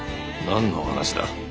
何の話だ。